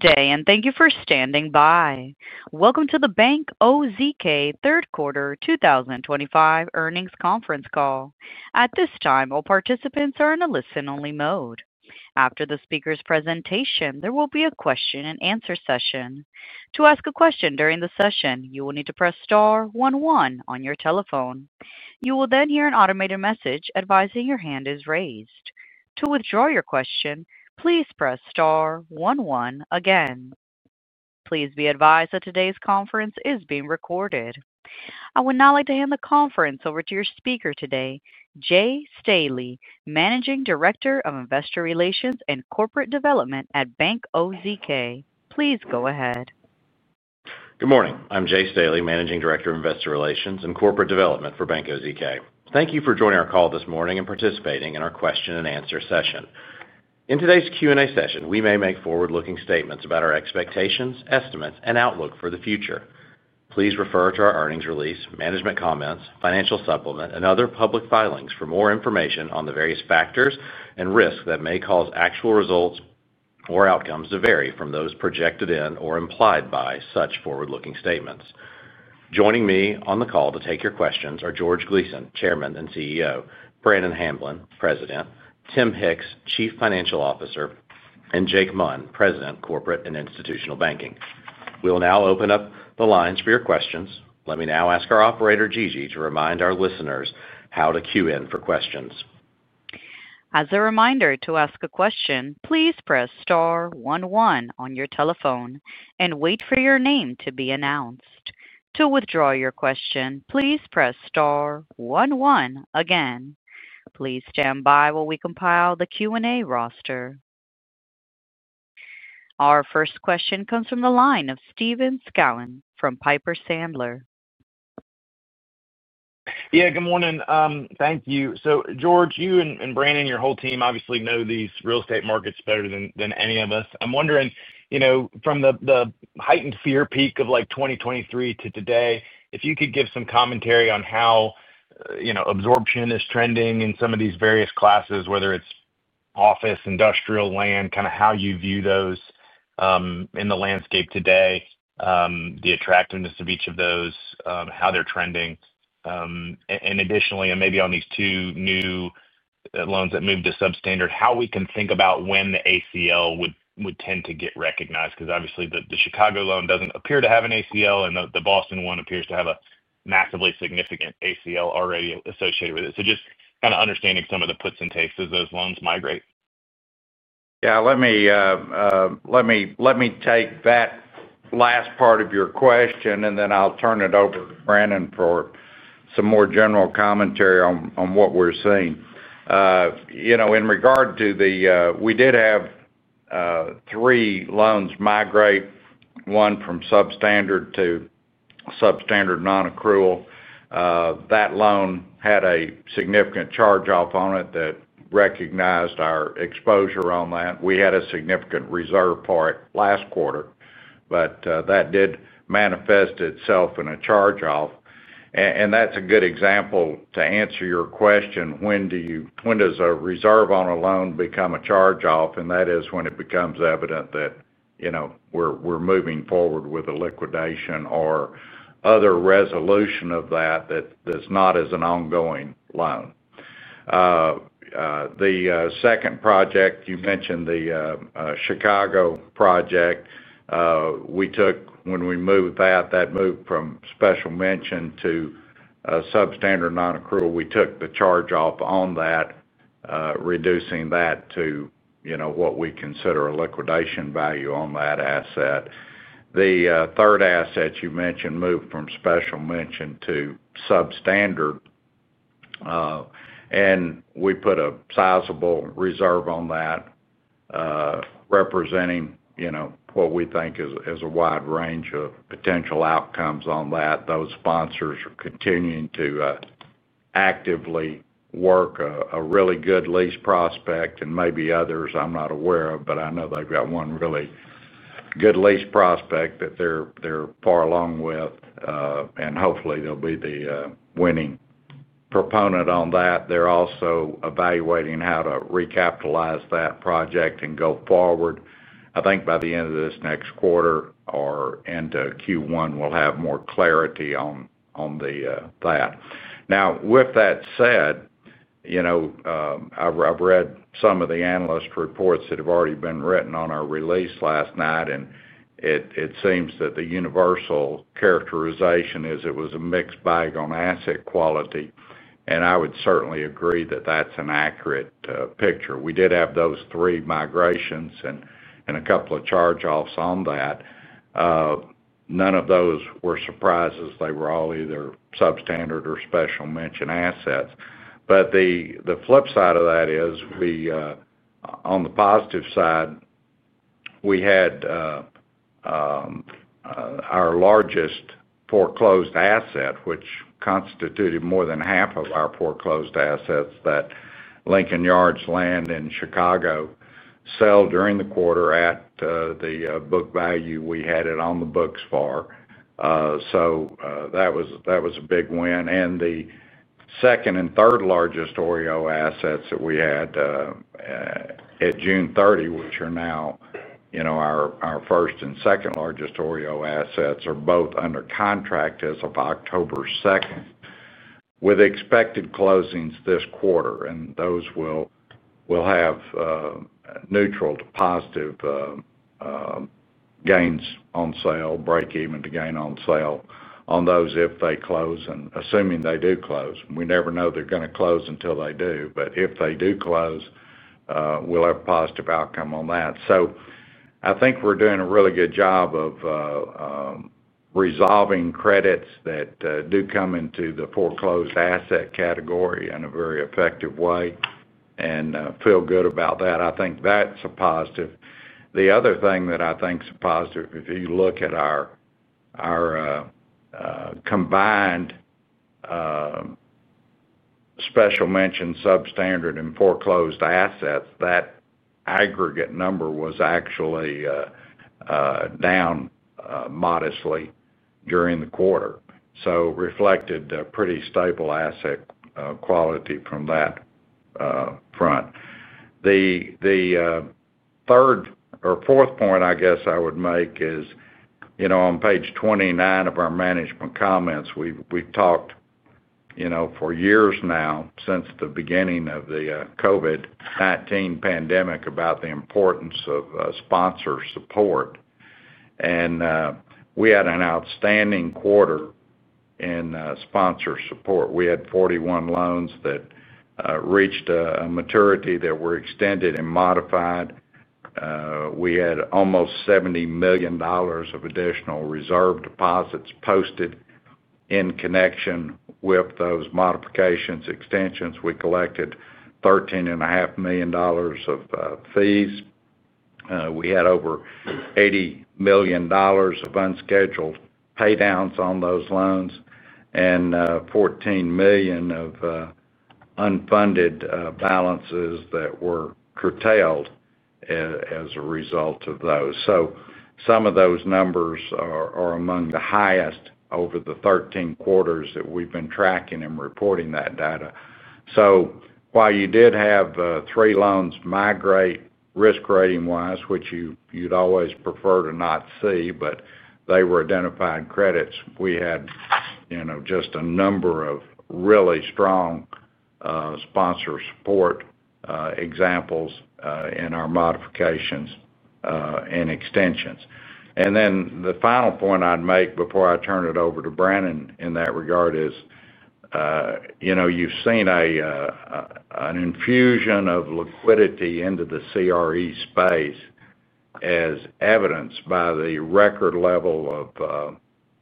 Today, and thank you for standing by. Welcome to the Bank OZK third quarter 2025 earnings conference call. At this time, all participants are in a listen-only mode. After the speaker's presentation, there will be a question and answer session. To ask a question during the session, you will need to press star one-one on your telephone. You will then hear an automated message advising your hand is raised. To withdraw your question, please press star one-one again. Please be advised that today's conference is being recorded. I would now like to hand the conference over to your speaker today, Jay Staley, Managing Director of Investor Relations and Corporate Development at Bank OZK. Please go ahead. Good morning. I'm Jay Staley, Managing Director of Investor Relations and Corporate Development for Bank OZK. Thank you for joining our call this morning and participating in our question and answer session. In today's Q&A session, we may make forward-looking statements about our expectations, estimates, and outlook for the future. Please refer to our earnings release, management comments, financial supplement, and other public filings for more information on the various factors and risks that may cause actual results or outcomes to vary from those projected in or implied by such forward-looking statements. Joining me on the call to take your questions are George Gleason, Chairman and CEO, Brannon Hamblen, President, Tim Hicks, Chief Financial Officer, and Jake Munn, President, Corporate and Institutional Banking. We will now open up the lines for your questions. Let me now ask our operator, Gigi, to remind our listeners how to queue in for questions. As a reminder, to ask a question, please press star one-one on your telephone and wait for your name to be announced. To withdraw your question, please press star one-one again. Please stand by while we compile the Q&A roster. Our first question comes from the line of Stephen Scouten from Piper Sandler. Yeah, good morning. Thank you. George, you and Brannon, your whole team obviously know these real estate markets better than any of us. I'm wondering, from the heightened fear peak of 2023 to today, if you could give some commentary on how absorption is trending in some of these various classes, whether it's office, industrial, land, kind of how you view those in the landscape today, the attractiveness of each of those, how they're trending, and additionally, maybe on these two new loans that moved to substandard, how we can think about when the ACL would tend to get recognized, because obviously the Chicago loan doesn't appear to have an ACL, and the Boston one appears to have a massively significant ACL already associated with it. Just kind of understanding some of the puts and takes as those loans migrate. Let me take that last part of your question, and then I'll turn it over to Brannon for some more general commentary on what we're seeing. In regard to the, we did have three loans migrate, one from substandard to substandard non-accrual. That loan had a significant charge-off on it that recognized our exposure on that. We had a significant reserve part last quarter, but that did manifest itself in a charge-off. That's a good example to answer your question. When does a reserve on a loan become a charge-off? That is when it becomes evident that we're moving forward with a liquidation or other resolution of that that's not as an ongoing loan. The second project, you mentioned the Chicago project. When we moved that, that moved from special mention to substandard non-accrual. We took the charge-off on that, reducing that to what we consider a liquidation value on that asset. The third asset you mentioned moved from special mention to substandard, and we put a sizable reserve on that, representing what we think is a wide range of potential outcomes on that. Those sponsors are continuing to actively work a really good lease prospect, and maybe others I'm not aware of, but I know they've got one really good lease prospect that they're far along with, and hopefully they'll be the winning proponent on that. They're also evaluating how to recapitalize that project and go forward. I think by the end of this next quarter or end of Q1, we'll have more clarity on that. With that said, I've read some of the analyst reports that have already been written on our release last night, and it seems that the universal characterization is it was a mixed bag on asset quality, and I would certainly agree that that's an accurate picture. We did have those three migrations and a couple of charge-offs on that. None of those were surprises. They were all either substandard or special mention assets. The flip side of that is, on the positive side, we had our largest foreclosed asset, which constituted more than half of our foreclosed assets, that Lincoln Yards Land in Chicago, sell during the quarter at the book value we had it on the books for. That was a big win. The second and third largest OREO assets that we had at June 30, which are now our first and second largest OREO assets, are both under contract as of October 2, with expected closings this quarter. Those will have neutral to positive gains on sale, break even to gain on sale on those if they close, and assuming they do close. We never know they're going to close until they do, but if they do close, we'll have a positive outcome on that. I think we're doing a really good job of resolving credits that do come into the foreclosed asset category in a very effective way, and feel good about that. I think that's a positive. The other thing that I think is positive, if you look at our combined special mention, substandard, and foreclosed assets, that aggregate number was actually down modestly during the quarter. It reflected a pretty stable asset quality from that front. The third or fourth point I would make is, on page 29 of our management comments, we've talked for years now, since the beginning of the COVID-19 pandemic, about the importance of sponsor support. We had an outstanding quarter in sponsor support. We had 41 loans that reached a maturity that were extended and modified. We had almost $70 million of additional reserve deposits posted in connection with those modifications and extensions. We collected $13.5 million of fees. We had over $80 million of unscheduled paydowns on those loans and $14 million of unfunded balances that were curtailed as a result of those. Some of those numbers are among the highest over the 13 quarters that we've been tracking and reporting that data. While you did have three loans migrate, risk rating-wise, which you'd always prefer to not see, but they were identified credits, we had a number of really strong sponsor support examples in our modifications and extensions. The final point I'd make before I turn it over to Brannon in that regard is, you've seen an infusion of liquidity into the CRE space as evidenced by the record level of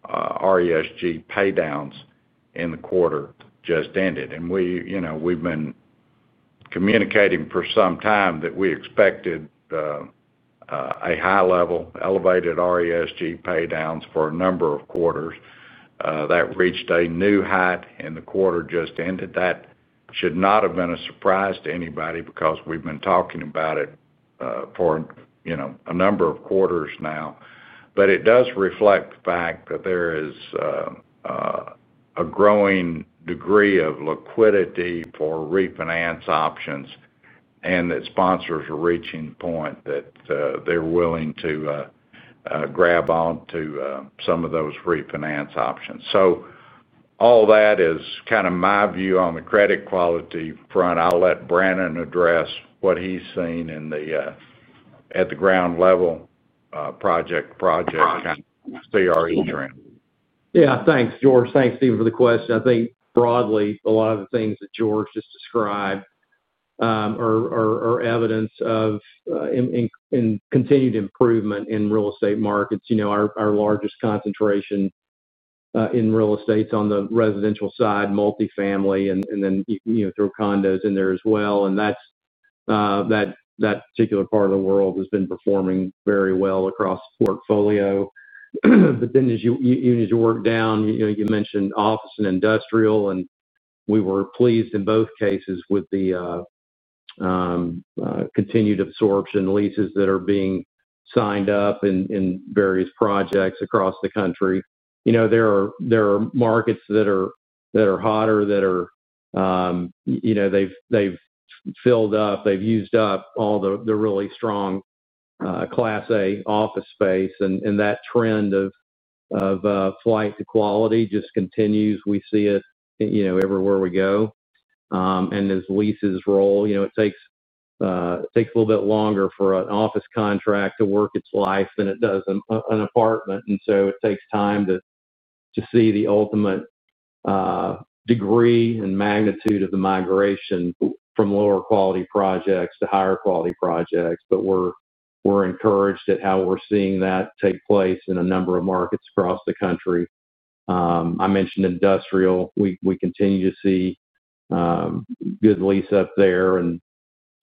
RESG paydowns in the quarter just ended. We've been communicating for some time that we expected a high level, elevated RESG paydowns for a number of quarters. That reached a new height in the quarter just ended. That should not have been a surprise to anybody because we've been talking about it for a number of quarters now. It does reflect the fact that there is a growing degree of liquidity for refinance options and that sponsors are reaching the point that they're willing to grab onto some of those refinance options. All that is kind of my view on the credit quality front. I'll let Brannon address what he's seen at the ground level project-to-project kind of CRE trend. Yeah, thanks, George. Thanks, Stephen, for the question. I think broadly, a lot of the things that George just described are evidence of continued improvement in real estate markets. You know, our largest concentration in real estate is on the residential side, multifamily, and then you throw condos in there as well. That particular part of the world has been performing very well across the portfolio. As you work down, you mentioned office and industrial, and we were pleased in both cases with the continued absorption leases that are being signed up in various projects across the country. There are markets that are hotter, that have filled up, have used up all the really strong Class A office space, and that trend of flight to quality just continues. We see it everywhere we go. As leases roll, it takes a little bit longer for an office contract to work its life than it does an apartment. It takes time to see the ultimate degree and magnitude of the migration from lower quality projects to higher quality projects. We're encouraged at how we're seeing that take place in a number of markets across the country. I mentioned industrial. We continue to see good lease up there. I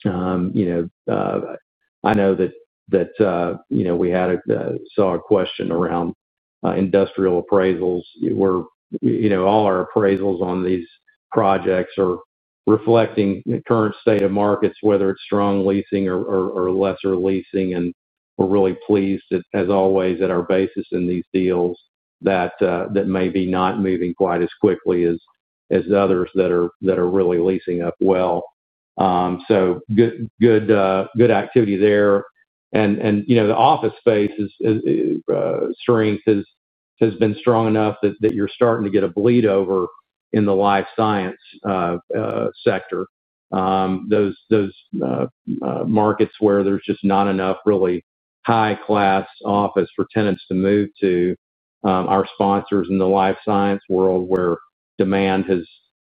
know that we saw a question around industrial appraisals, where all our appraisals on these projects are reflecting the current state of markets, whether it's strong leasing or lesser leasing. We're really pleased, as always, at our basis in these deals that may be not moving quite as quickly as others that are really leasing up well. Good activity there. The office space's strength has been strong enough that you're starting to get a bleed over in the life science sector. Those markets where there's just not enough really high-class office for tenants to move to, our sponsors in the life science world where demand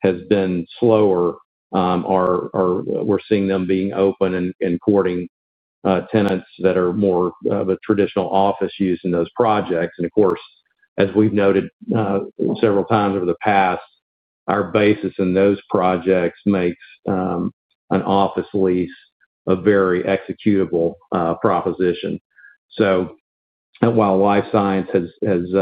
has been slower, we're seeing them being open and courting tenants that are more of a traditional office use in those projects. Of course, as we've noted several times over the past, our basis in those projects makes an office lease a very executable proposition. While life science has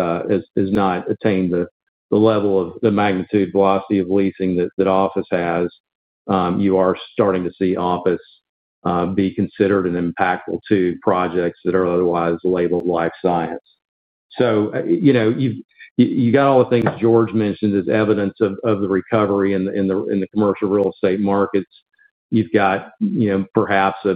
not attained the level of the magnitude velocity of leasing that office has, you are starting to see office be considered an impactful to projects that are otherwise labeled life science. You've got all the things George mentioned as evidence of the recovery in the commercial real estate markets. You've got perhaps a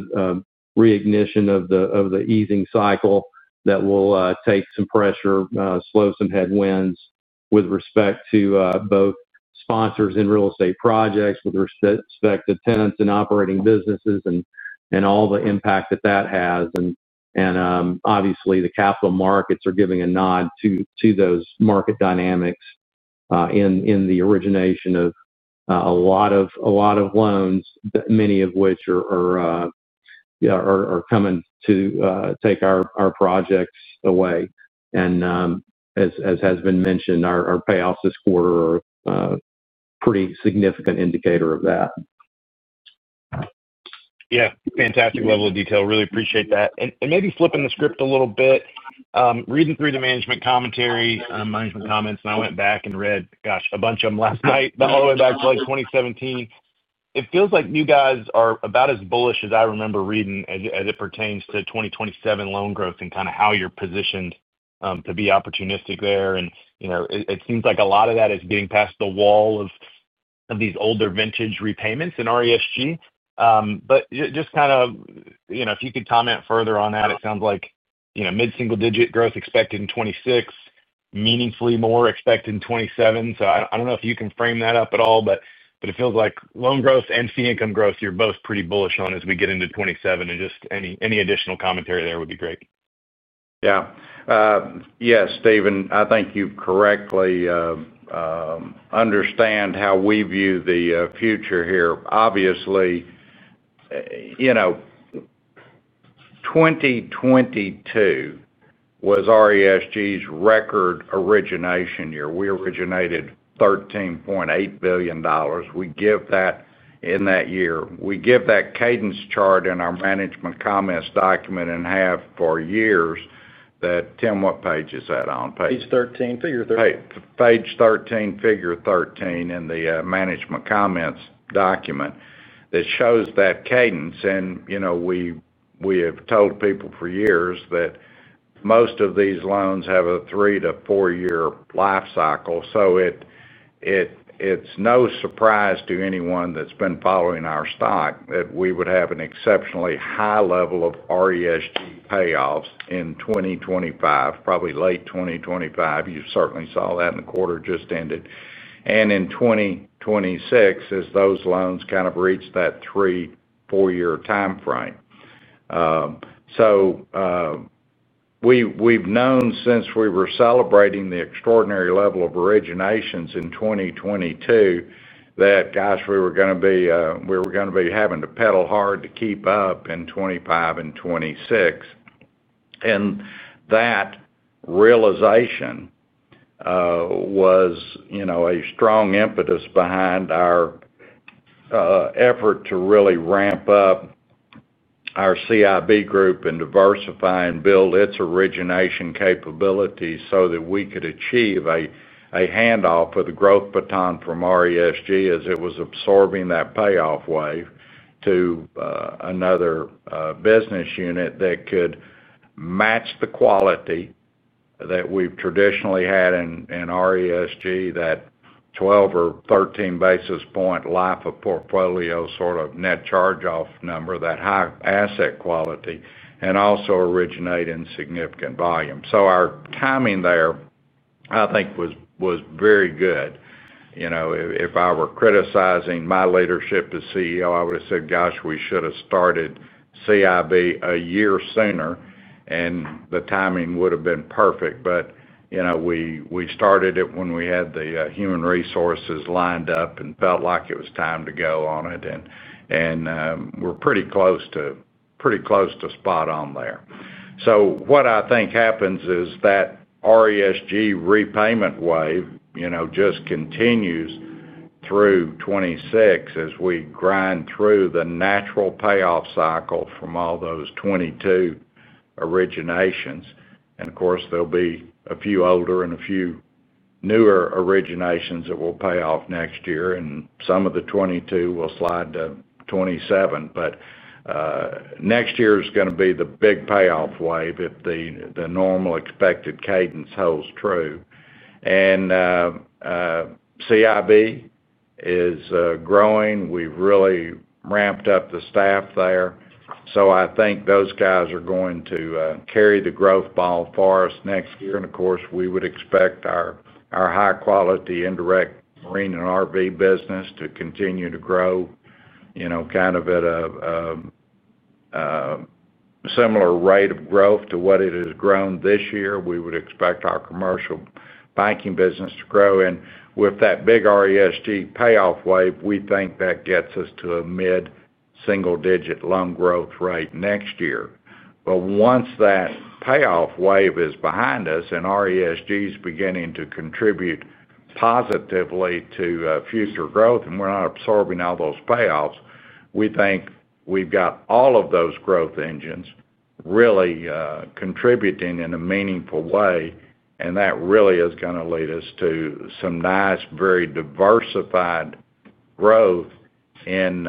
reignition of the easing cycle that will take some pressure, slow some headwinds with respect to both sponsors in real estate projects, with respect to tenants and operating businesses, and all the impact that that has. Obviously, the capital markets are giving a nod to those market dynamics in the origination of a lot of loans, many of which are coming to take our projects away. As has been mentioned, our payoffs this quarter are a pretty significant indicator of that. Yeah, fantastic level of detail. Really appreciate that. Maybe flipping the script a little bit, reading through the management commentary and the management comments, I went back and read, gosh, a bunch of them last night, all the way back to 2017. It feels like you guys are about as bullish as I remember reading as it pertains to 2027 loan growth and kind of how you're positioned to be opportunistic there. It seems like a lot of that is getting past the wall of these older vintage repayments in RESG. If you could comment further on that, it sounds like mid-single-digit growth expected in 2026, meaningfully more expected in 2027. I don't know if you can frame that up at all, but it feels like loan growth and fee income growth, you're both pretty bullish on as we get into 2027. Any additional commentary there would be great. Yeah. Yes, Steven, I think you correctly understand how we view the future here. Obviously, you know, 2022 was RESG's record origination year. We originated $13.8 billion in that year. We give that cadence chart in our management comments document and have for years. Tim, what page is that on? Page 13, Figure 13. Page 13, figure 13 in the management comments document that shows that cadence. We have told people for years that most of these loans have a three to four-year life cycle. It's no surprise to anyone that's been following our stock that we would have an exceptionally high level of RESG payoffs in 2025, probably late 2025. You certainly saw that in the quarter just ended. In 2026, as those loans kind of reach that three, four-year timeframe. We've known since we were celebrating the extraordinary level of originations in 2022 that, gosh, we were going to be having to pedal hard to keep up in 2025 and 2026. That realization was a strong impetus behind our effort to really ramp up our CIB group and diversify and build its origination capabilities so that we could achieve a handoff of the growth baton from RESG as it was absorbing that payoff wave to another business unit that could match the quality that we've traditionally had in RESG, that 12 or 13 basis point life of portfolio sort of net charge-off number, that high asset quality, and also originate in significant volume. Our timing there, I think, was very good. If I were criticizing my leadership as CEO, I would have said, gosh, we should have started CIB a year sooner, and the timing would have been perfect. We started it when we had the human resources lined up and felt like it was time to go on it. We're pretty close to, pretty close to spot on there. What I think happens is that RESG repayment wave just continues through 2026 as we grind through the natural payoff cycle from all those 2022 originations. Of course, there'll be a few older and a few newer originations that will pay off next year. Some of the 2022 will slide to 2027. Next year is going to be the big payoff wave if the normal expected cadence holds true. CIB is growing. We've really ramped up the staff there. I think those guys are going to carry the growth ball for us next year. Of course, we would expect our high-quality indirect marine and RV business to continue to grow, kind of at a similar rate of growth to what it has grown this year. We would expect our commercial banking business to grow. With that big RESG payoff wave, we think that gets us to a mid-single-digit loan growth rate next year. Once that payoff wave is behind us and RESG is beginning to contribute positively to future growth and we're not absorbing all those payoffs, we think we've got all of those growth engines really contributing in a meaningful way. That really is going to lead us to some nice, very diversified growth in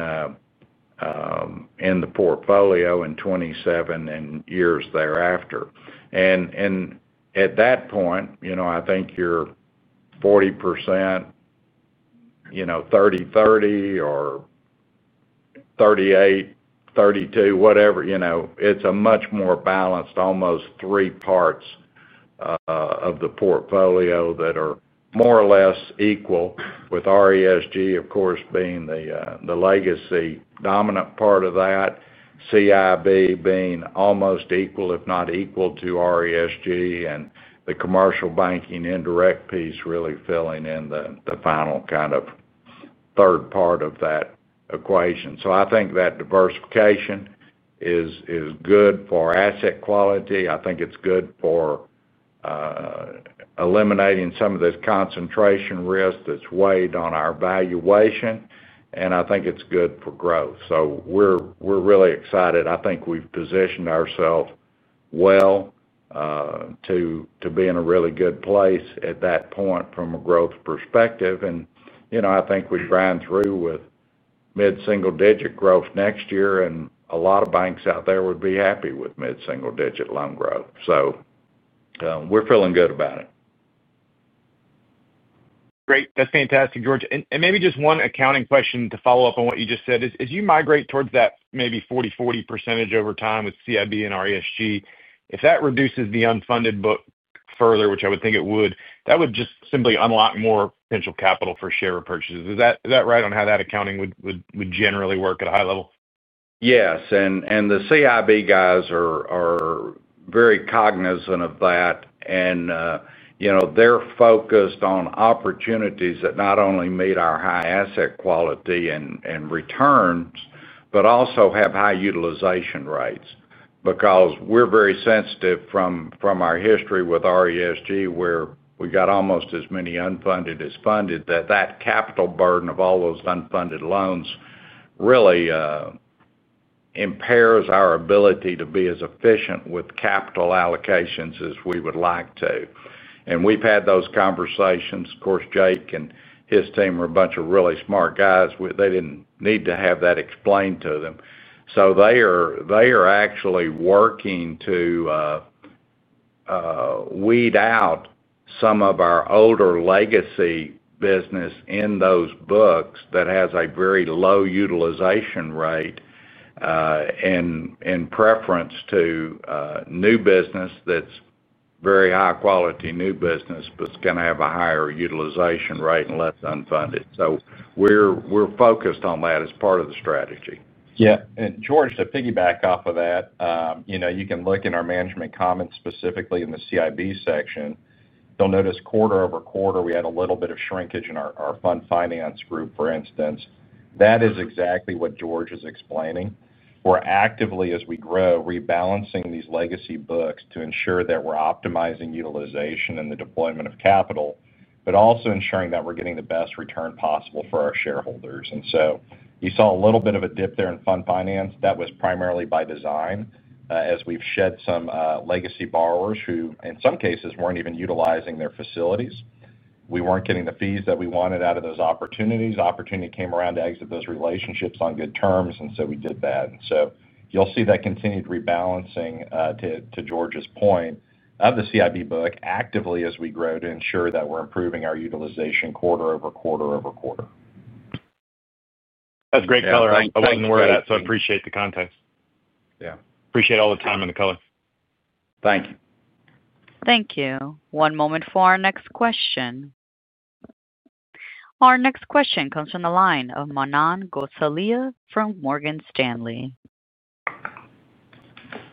the portfolio in 2027 and years thereafter. At that point, you know, I think you're 40%, you know, 30/30 or 38/32, whatever, you know, it's a much more balanced, almost three parts of the portfolio that are more or less equal, with RESG, of course, being the legacy dominant part of that, CIB being almost equal, if not equal to RESG, and the commercial banking indirect piece really filling in the final kind of third part of that equation. I think that diversification is good for asset quality. I think it's good for eliminating some of this concentration risk that's weighed on our valuation. I think it's good for growth. We're really excited. I think we've positioned ourselves well to be in a really good place at that point from a growth perspective. I think we'd grind through with mid-single-digit growth next year, and a lot of banks out there would be happy with mid-single-digit loan growth. We're feeling good about it. Great. That's fantastic, George. Maybe just one accounting question to follow up on what you just said is, as you migrate towards that maybe 40/40% over time with CIB and RESG, if that reduces the unfunded book further, which I would think it would, that would just simply unlock more potential capital for share purchases. Is that right on how that accounting would generally work at a high level? Yes. The CIB guys are very cognizant of that. They're focused on opportunities that not only meet our high asset quality and returns, but also have high utilization rates because we're very sensitive from our history with RESG, where we got almost as many unfunded as funded. That capital burden of all those unfunded loans really impairs our ability to be as efficient with capital allocations as we would like to. We've had those conversations. Of course, Jake and his team are a bunch of really smart guys. They didn't need to have that explained to them. They are actually working to weed out some of our older legacy business in those books that has a very low utilization rate in preference to new business that's very high quality new business, but it's going to have a higher utilization rate and less unfunded. We're focused on that as part of the strategy. Yeah. George, to piggyback off of that, you can look in our management comments specifically in the CIB section. You'll notice quarter-over-quarter, we had a little bit of shrinkage in our fund finance group, for instance. That is exactly what George is explaining. We're actively, as we grow, rebalancing these legacy books to ensure that we're optimizing utilization and the deployment of capital, but also ensuring that we're getting the best return possible for our shareholders. You saw a little bit of a dip there in fund finance. That was primarily by design, as we've shed some legacy borrowers who, in some cases, weren't even utilizing their facilities. We weren't getting the fees that we wanted out of those opportunities. Opportunity came around to exit those relationships on good terms, and we did that. You'll see that continued rebalancing, to George's point, of the CIB book actively as we grow to ensure that we're improving our utilization quarter-over-quarter quarter. That's great color. I wasn't aware of that, so I appreciate the context. Yeah. Appreciate all the time and the color. Thank you. Thank you. One moment for our next question. Our next question comes from the line of Manan Gosalia from Morgan Stanley.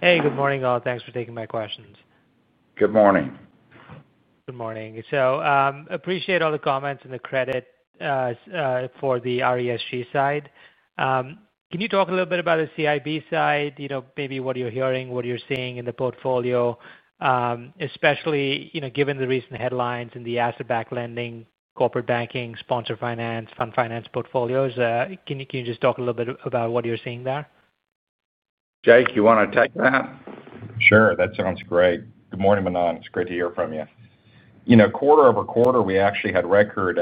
Hey, good morning all. Thanks for taking my questions. Good morning. Good morning. I appreciate all the comments and the credit for the RESG side. Can you talk a little bit about the CIB side? Maybe what you're hearing, what you're seeing in the portfolio, especially given the recent headlines in the asset-backed lending, corporate banking, sponsored finance, fund finance portfolios. Can you just talk a little bit about what you're seeing there? Jake, you want to take that? Sure, that sounds great. Good morning, Manon. It's great to hear from you. You know, quarter-over-quarter, we actually had record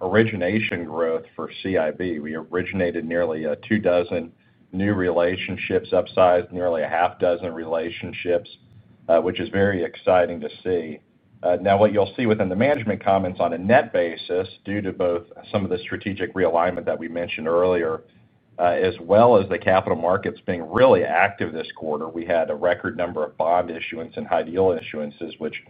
origination growth for CIB. We originated nearly two dozen new relationships, upsized nearly a half dozen relationships, which is very exciting to see. Now, what you'll see within the management comments on a net basis, due to both some of the strategic realignment that we mentioned earlier, as well as the capital markets being really active this quarter, we had a record number of bond issuance and high deal issuances, which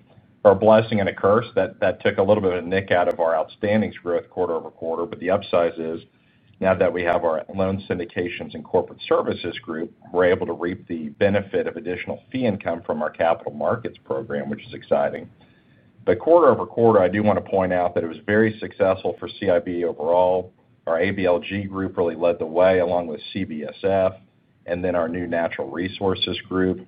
are a blessing and a curse that took a little bit of a nick out of our outstandings growth quarter-over-quarter. The upside is now that we have our loan syndications and corporate services group, we're able to reap the benefit of additional fee income from our capital markets program, which is exciting. quarter-over-quarter, I do want to point out that it was very successful for CIB overall. Our ABLG group really led the way along with CBSF and then our new natural resources group.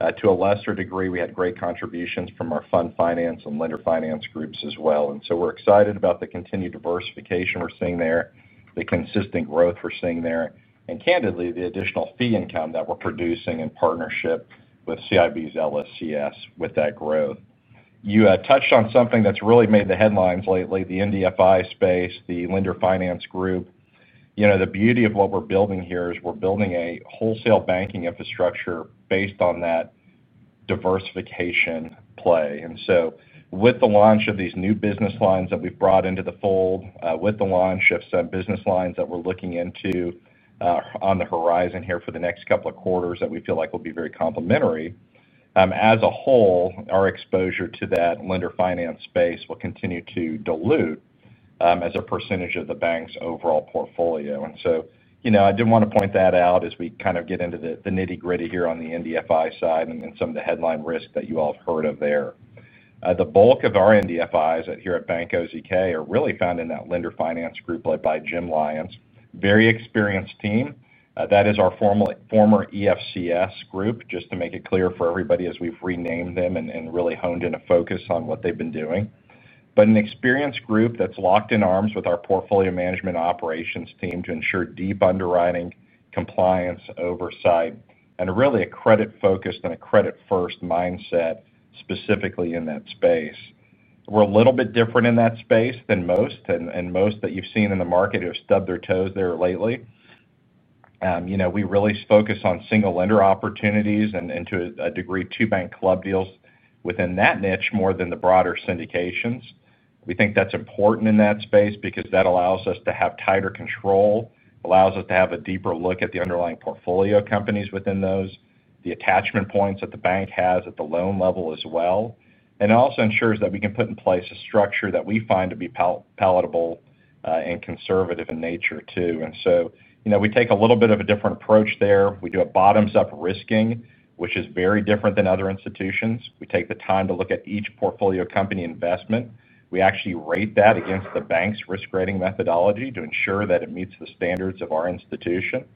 To a lesser degree, we had great contributions from our fund finance and lender finance groups as well. We're excited about the continued diversification we're seeing there, the consistent growth we're seeing there, and candidly, the additional fee income that we're producing in partnership with CIB's LSCS with that growth. You touched on something that's really made the headlines lately, the NDFI space, the lender finance group. The beauty of what we're building here is we're building a wholesale banking infrastructure based on that diversification play. With the launch of these new business lines that we've brought into the fold, with the launch of some business lines that we're looking into on the horizon here for the next couple of quarters that we feel like will be very complimentary, as a whole, our exposure to that lender finance space will continue to dilute as a percentage of the bank's overall portfolio. I did want to point that out as we kind of get into the nitty-gritty here on the NDFI side and some of the headline risk that you all have heard of there. The bulk of our NDFIs here at Bank OZK are really found in that lender finance group led by Jim Lyons, very experienced team. That is our former EFCS group, just to make it clear for everybody as we've renamed them and really honed in a focus on what they've been doing. An experienced group that's locked in arms with our portfolio management operations team to ensure deep underwriting, compliance, oversight, and really a credit-focused and a credit-first mindset specifically in that space. We're a little bit different in that space than most, and most that you've seen in the market have stubbed their toes there lately. We really focus on single lender opportunities and to a degree two-bank club deals within that niche more than the broader syndications. We think that's important in that space because that allows us to have tighter control and a deeper look at the underlying portfolio companies within those, the attachment points that the bank has at the loan level as well. It also ensures that we can put in place a structure that we find to be palatable and conservative in nature too. We take a little bit of a different approach there. We do a bottoms-up risking, which is very different than other institutions. We take the time to look at each portfolio company investment. We actually rate that against the bank's risk rating methodology to ensure that it meets the standards of our institution.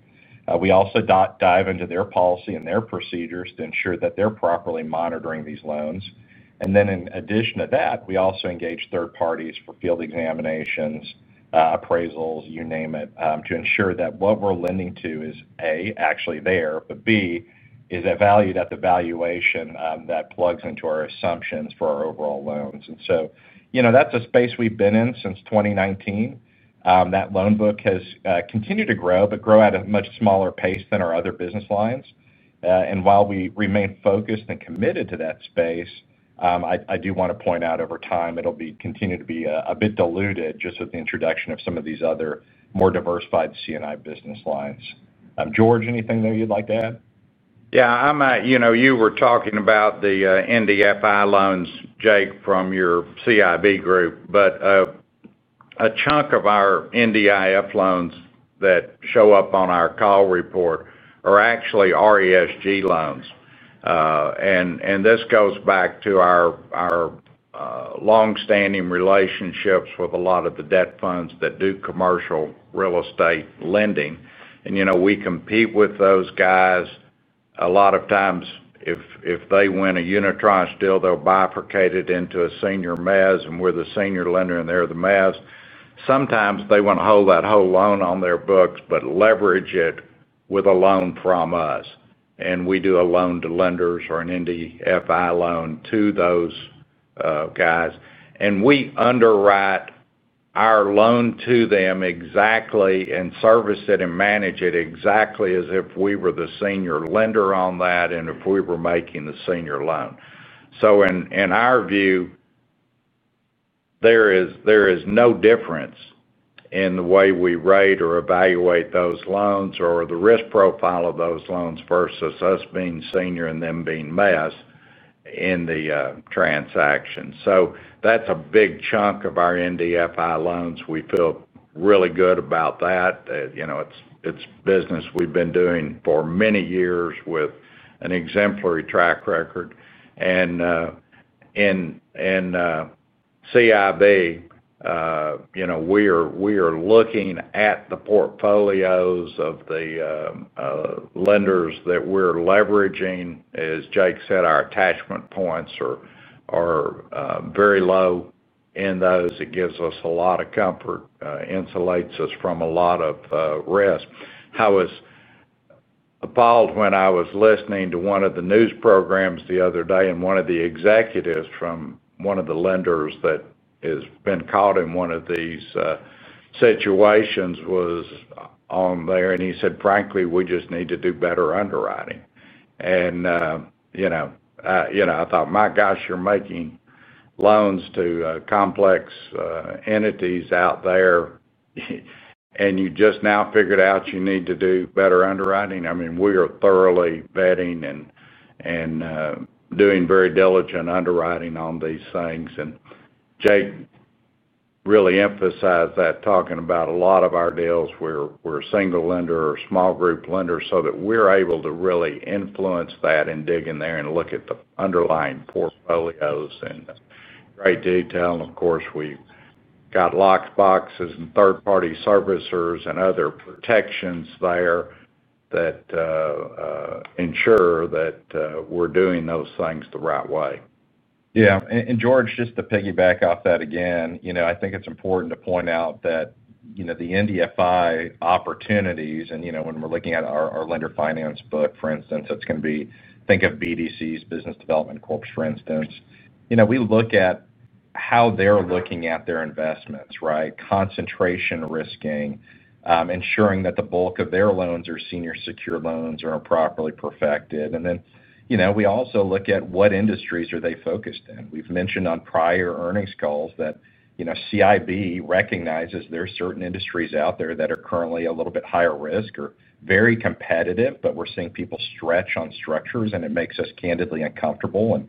We also dive into their policy and their procedures to ensure that they're properly monitoring these loans. In addition to that, we also engage third parties for field examinations, appraisals, you name it, to ensure that what we're lending to is A, actually there, but B, is valued at the valuation that plugs into our assumptions for our overall loans. That's a space we've been in since 2019. That loan book has continued to grow, but grow at a much smaller pace than our other business lines. While we remain focused and committed to that space, I do want to point out over time it'll continue to be a bit diluted just with the introduction of some of these other more diversified C&I business lines. George, anything there you'd like to add? Yeah, you were talking about the NDFI loans, Jake, from your CIB group, but a chunk of our NDFI loans that show up on our call report are actually RESG loans. This goes back to our longstanding relationships with a lot of the debt funds that do commercial real estate lending. We compete with those guys. A lot of times, if they win a unit trust deal, they'll bifurcate it into a senior mez, and we're the senior lender and they're the mez. Sometimes they want to hold that whole loan on their books, but leverage it with a loan from us. We do a loan to lenders or an NDFI loan to those guys. We underwrite our loan to them exactly and service it and manage it exactly as if we were the senior lender on that and if we were making the senior loan. In our view, there is no difference in the way we rate or evaluate those loans or the risk profile of those loans versus us being senior and them being MEZ in the transaction. That's a big chunk of our NDFI loans. We feel really good about that. It's business we've been doing for many years with an exemplary track record. In CIB, we are looking at the portfolios of the lenders that we're leveraging. As Jake said, our attachment points are very low in those. It gives us a lot of comfort, insulates us from a lot of risk. I was appalled when I was listening to one of the news programs the other day, and one of the executives from one of the lenders that has been caught in one of these situations was on there, and he said, "Frankly, we just need to do better underwriting." I thought, "My gosh, you're making loans to complex entities out there, and you just now figured out you need to do better underwriting?" We are thoroughly vetting and doing very diligent underwriting on these things. Jake really emphasized that, talking about a lot of our deals, we're a single lender or small group lender so that we're able to really influence that and dig in there and look at the underlying portfolios in great detail. Of course, we've got locked boxes and third-party servicers and other protections there that ensure that we're doing those things the right way. Yeah. George, just to piggyback off that again, I think it's important to point out that the NDFI opportunities, and when we're looking at our lender finance book, for instance, it's going to be, think of BDCs, Business Development Corps, for instance. We look at how they're looking at their investments, right? Concentration risking, ensuring that the bulk of their loans are senior secure loans or are properly perfected. We also look at what industries are they focused in. We've mentioned on prior earnings calls that CIB recognizes there are certain industries out there that are currently a little bit higher risk or very competitive. We're seeing people stretch on structures, and it makes us candidly uncomfortable.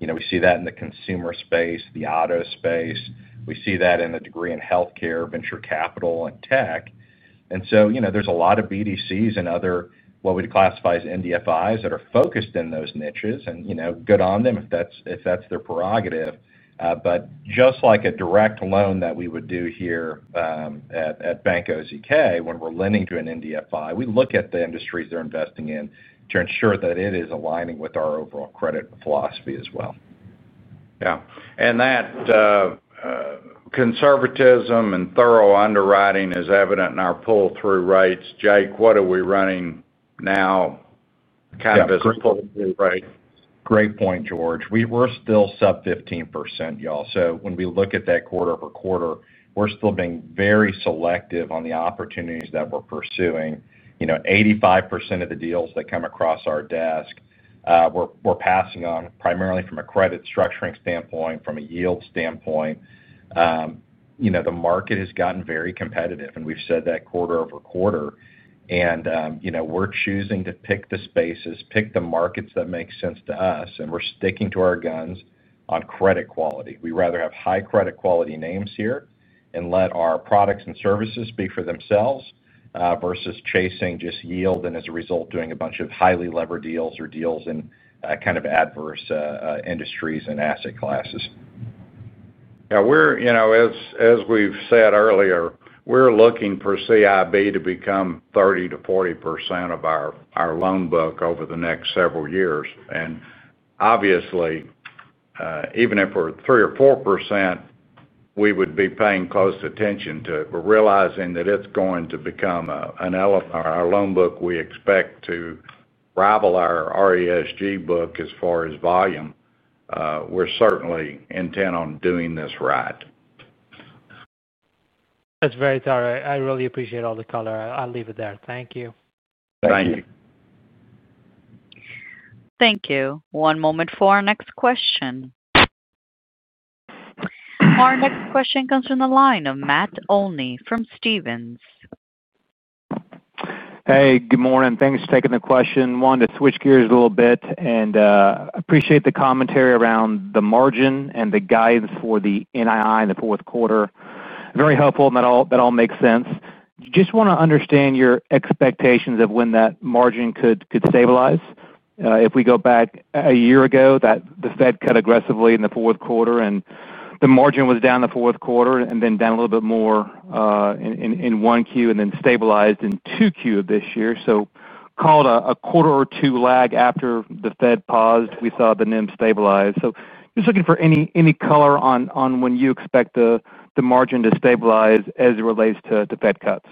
We see that in the consumer space, the auto space. We see that to a degree in healthcare, venture capital, and tech. There's a lot of BDCs and other what we'd classify as NDFIs that are focused in those niches, and good on them if that's their prerogative. Just like a direct loan that we would do here at Bank OZK, when we're lending to an NDFI, we look at the industries they're investing in to ensure that it is aligning with our overall credit philosophy as well. That conservatism and thorough underwriting is evident in our pull-through rates. Jake, what are we running now? Great point, George. We're still sub 15%, y'all. When we look at that quarter-over-quarter, we're still being very selective on the opportunities that we're pursuing. 85% of the deals that come across our desk, we're passing on primarily from a credit structuring standpoint, from a yield standpoint. The market has gotten very competitive, and we've said that quarter-over-quarter. We're choosing to pick the spaces, pick the markets that make sense to us, and we're sticking to our guns on credit quality. We'd rather have high credit quality names here and let our products and services speak for themselves versus chasing just yield and as a result doing a bunch of highly levered deals or deals in kind of adverse industries and asset classes. Yeah, as we've said earlier, we're looking for CIB to become 30%-40% of our loan book over the next several years. Obviously, even if we're 3% or 4%, we would be paying close attention to it. We're realizing that it's going to become an element of our loan book we expect to rival our RESG book as far as volume. We're certainly intent on doing this right. That's very thorough. I really appreciate all the color. I'll leave it there. Thank you. Thank you. Thank you. One moment for our next question. Our next question comes from the line of Matt Olney from Stephens. Hey, good morning. Thanks for taking the question. Wanted to switch gears a little bit and appreciate the commentary around the margin and the guidance for the NII in the fourth quarter. Very helpful and that all makes sense. Just want to understand your expectations of when that margin could stabilize. If we go back a year ago, the Fed cut aggressively in the fourth quarter and the margin was down the fourth quarter and then down a little bit more in 1Q and then stabilized in 2Q of this year. Called a quarter or two lag after the Fed paused, we saw the NIM stabilize. Just looking for any color on when you expect the margin to stabilize as it relates to Fed cuts.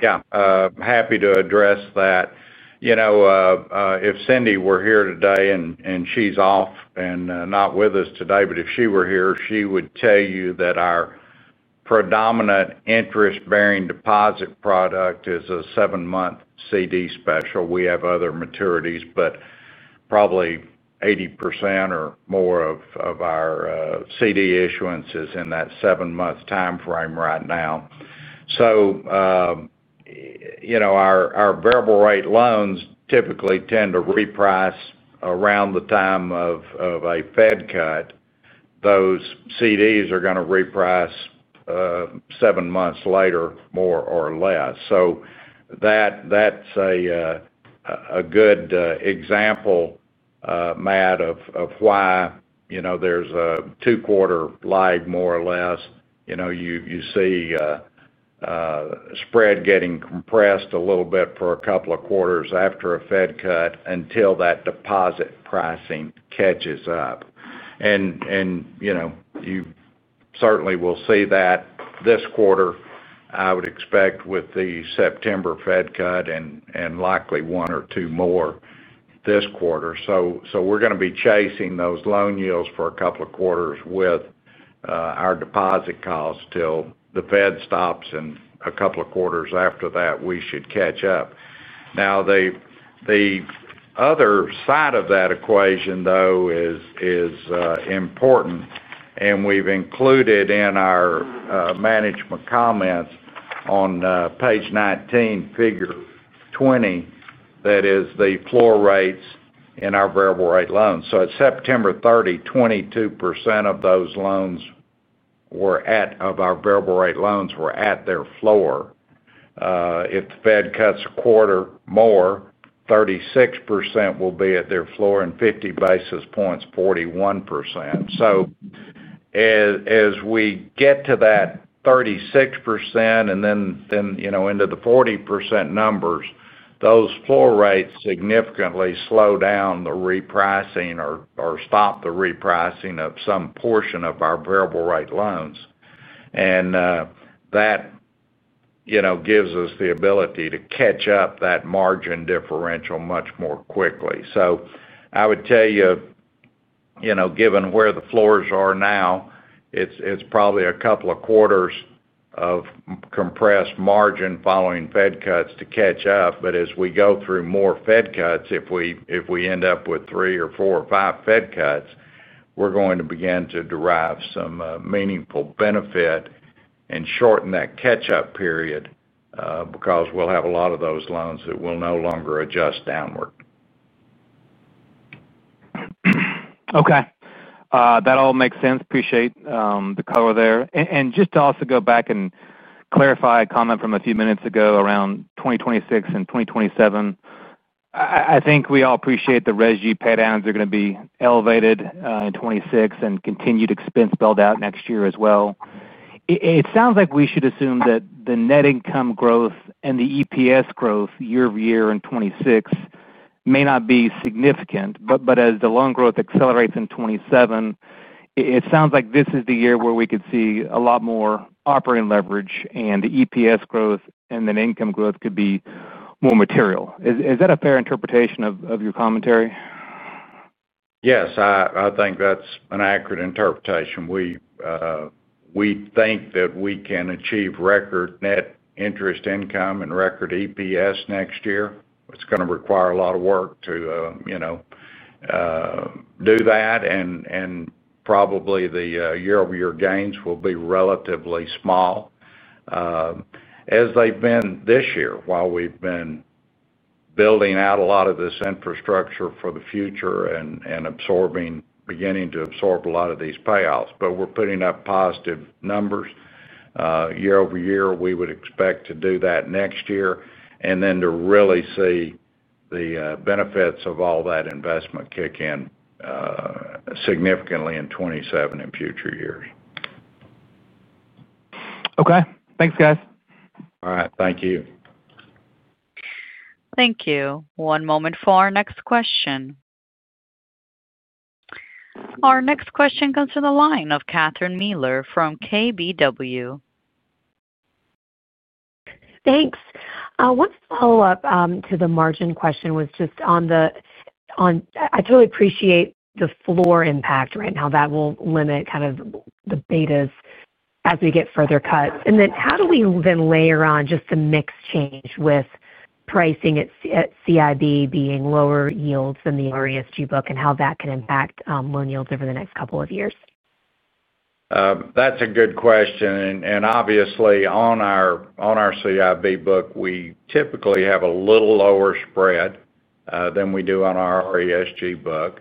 Yeah, I'm happy to address that. If Cindy were here today and she's off and not with us today, but if she were here, she would tell you that our predominant interest-bearing deposit product is a seven-month CD special. We have other maturities, but probably 80% or more of our CD issuance is in that seven-month timeframe right now. Our variable rate loans typically tend to reprice around the time of a Fed cut. Those CDs are going to reprice seven months later, more or less. That's a good example, Matt, of why there's a two-quarter lag more or less. You see spread getting compressed a little bit for a couple of quarters after a Fed cut until that deposit pricing catches up. You certainly will see that this quarter, I would expect with the September Fed cut and likely one or two more this quarter. We're going to be chasing those loan yields for a couple of quarters with our deposit costs till the Fed stops and a couple of quarters after that we should catch up. Now, the other side of that equation is important, and we've included in our management comments on page 19, figure 20, that is the floor rates in our variable rate loans. At September 30, 22% of those loans, of our variable rate loans, were at their floor. If the Fed cuts a quarter more, 36% will be at their floor and at 50 basis points, 41%. As we get to that 36% and then into the 40% numbers, those floor rates significantly slow down the repricing or stop the repricing of some portion of our variable rate loans. That gives us the ability to catch up that margin differential much more quickly. I would tell you, given where the floors are now, it's probably a couple of quarters of compressed margin following Fed cuts to catch up. As we go through more Fed cuts, if we end up with three or four or five Fed cuts, we're going to begin to derive some meaningful benefit and shorten that catch-up period because we'll have a lot of those loans that will no longer adjust downward. Okay. That all makes sense. Appreciate the color there. Just to also go back and clarify a comment from a few minutes ago around 2026 and 2027, I think we all appreciate the residue paydowns are going to be elevated in 2026 and continued expense build-out next year as well. It sounds like we should assume that the net income growth and the EPS growth year-over-year in 2026 may not be significant, but as the loan growth accelerates in 2027, it sounds like this is the year where we could see a lot more operating leverage and the EPS growth and net income growth could be more material. Is that a fair interpretation of your commentary? Yes, I think that's an accurate interpretation. We think that we can achieve record net interest income and record EPS next year. It's going to require a lot of work to do that. Probably the year-over-year gains will be relatively small, as they've been this year while we've been building out a lot of this infrastructure for the future and beginning to absorb a lot of these payoffs. We're putting up positive numbers year-over-year. We would expect to do that next year and then to really see the benefits of all that investment kick in significantly in 2027 and future years. Okay, thanks, guys. All right, thank you. Thank you. One moment for our next question. Our next question comes from the line of Catherine Mealor from KBW. Thanks. One follow-up to the margin question was just on the, I totally appreciate the floor impact right now. That will limit kind of the betas as we get further cuts. How do we then layer on just the mix change with pricing at CIB being lower yields than the RESG book and how that can impact loan yields over the next couple of years? That's a good question. Obviously, on our CIB book, we typically have a little lower spread than we do on our RESG book.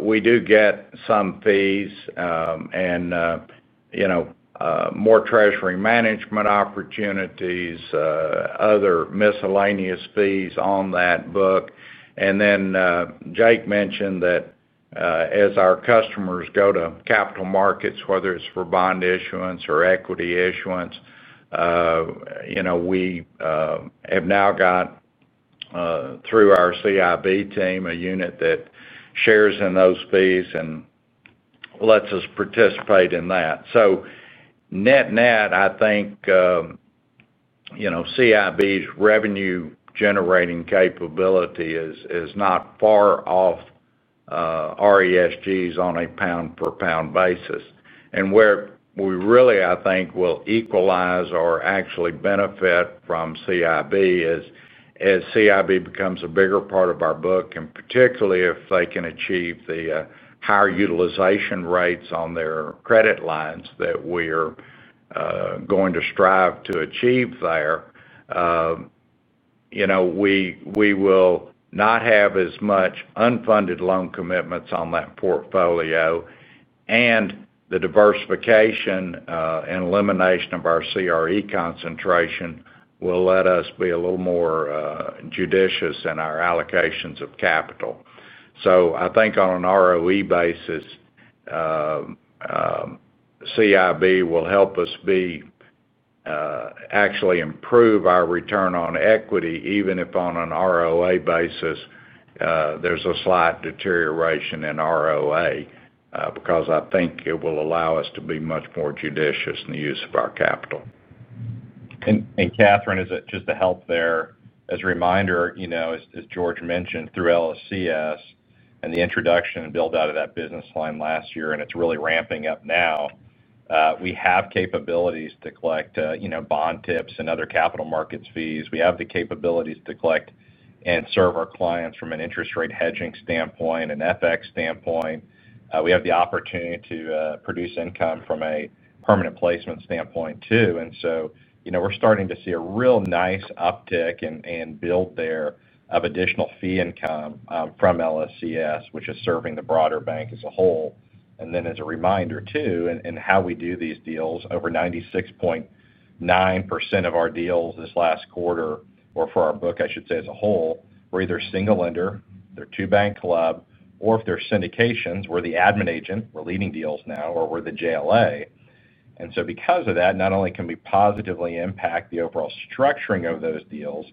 We do get some fees and more treasury management opportunities, other miscellaneous fees on that book. Jake mentioned that as our customers go to capital markets, whether it's for bond issuance or equity issuance, we have now got through our CIB team a unit that shares in those fees and lets us participate in that. Net-net, I think CIB's revenue-generating capability is not far off RESG's on a pound-for-pound basis. Where we really, I think, will equalize or actually benefit from CIB is as CIB becomes a bigger part of our book, and particularly if they can achieve the higher utilization rates on their credit lines that we are going to strive to achieve there. We will not have as much unfunded loan commitments on that portfolio. The diversification and elimination of our CRE concentration will let us be a little more judicious in our allocations of capital. I think on an ROE basis, CIB will help us actually improve our return on equity, even if on an ROA basis, there's a slight deterioration in ROA because I think it will allow us to be much more judicious in the use of our capital. Catherine, is it just to help there? As a reminder, you know, as George mentioned, through LSCS and the introduction and build-out of that business line last year, and it's really ramping up now, we have capabilities to collect, you know, bond tips and other capital markets fees. We have the capabilities to collect and serve our clients from an interest rate hedging standpoint and FX standpoint. We have the opportunity to produce income from a permanent placement standpoint too. You know, we're starting to see a real nice uptick and build there of additional fee income from LSCS, which is serving the broader bank as a whole. As a reminder too, in how we do these deals, over 96.9% of our deals this last quarter, or for our book, I should say as a whole, were either a single lender, they're two-bank club, or if they're syndications, we're the admin agent, we're leading deals now, or we're the JLA. Because of that, not only can we positively impact the overall structuring of those deals,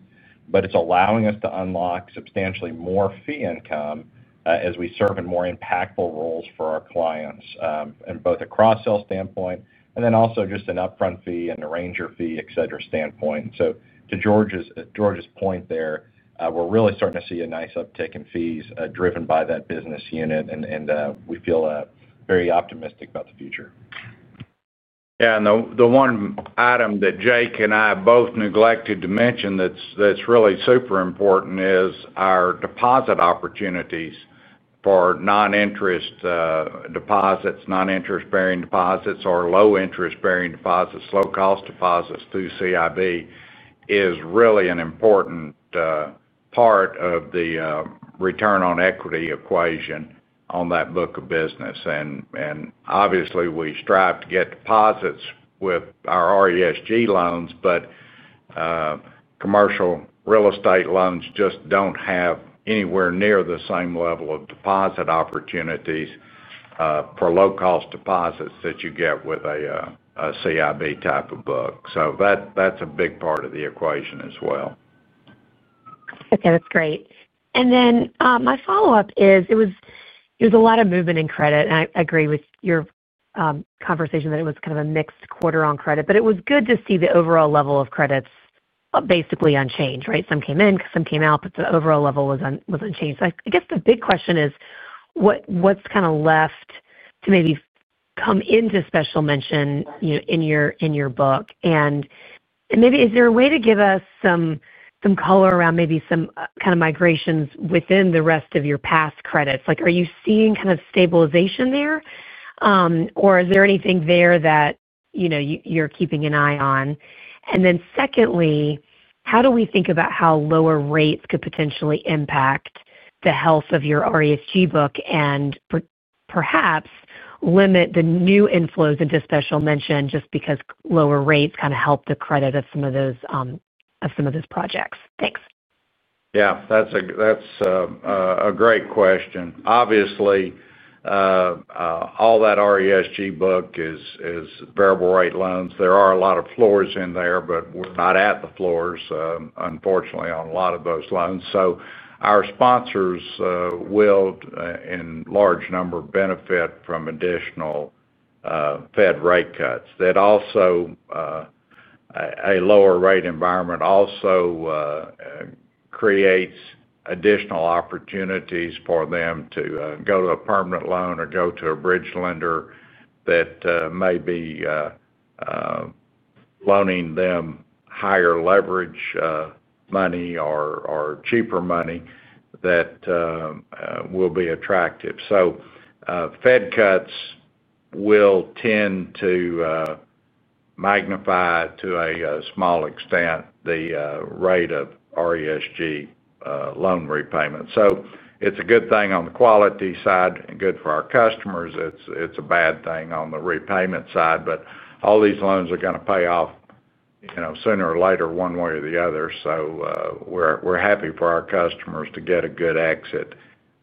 but it's allowing us to unlock substantially more fee income as we serve in more impactful roles for our clients and both a cross-sell standpoint and then also just an upfront fee and arranger fee, et cetera, standpoint. To George's point there, we're really starting to see a nice uptick in fees driven by that business unit, and we feel very optimistic about the future. Yeah, the one item that Jake and I both neglected to mention that's really super important is our deposit opportunities for non-interest deposits, non-interest-bearing deposits, or low-interest-bearing deposits, low-cost deposits through CIB is really an important part of the return on equity equation on that book of business. Obviously, we strive to get deposits with our RESG loans, but commercial real estate loans just don't have anywhere near the same level of deposit opportunities for low-cost deposits that you get with a CIB type of book. That's a big part of the equation as well. Okay, that's great. My follow-up is it was a lot of movement in credit, and I agree with your conversation that it was kind of a mixed quarter on credit, but it was good to see the overall level of credits basically unchanged, right? Some came in, some came out, but the overall level was unchanged. I guess the big question is what's kind of left to maybe come into special mention in your book. Maybe is there a way to give us some color around maybe some kind of migrations within the rest of your past credits? Like, are you seeing kind of stabilization there, or is there anything there that you're keeping an eye on? Secondly, how do we think about how lower rates could potentially impact the health of your RESG book and perhaps limit the new inflows into special mention just because lower rates kind of help the credit of some of those projects? Thanks. Yeah, that's a great question. Obviously, all that RESG book is variable rate loans. There are a lot of floors in there, but we're not at the floors, unfortunately, on a lot of those loans. Our sponsors will, in a large number, benefit from additional Fed rate cuts. A lower rate environment also creates additional opportunities for them to go to a permanent loan or go to a bridge lender that may be loaning them higher leverage money or cheaper money that will be attractive. Fed cuts will tend to magnify to a small extent the rate of RESG loan repayment. It's a good thing on the quality side and good for our customers. It's a bad thing on the repayment side, but all these loans are going to pay off, you know, sooner or later one way or the other. We're happy for our customers to get a good exit